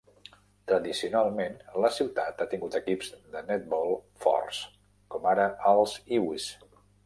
Tradicionalment, la ciutat ha tingut equips de netball forts, com ara els Ewes.